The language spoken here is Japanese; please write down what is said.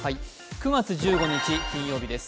９月１５日金曜日です。